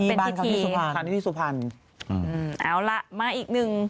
เอาละมาอีกหนึ่ง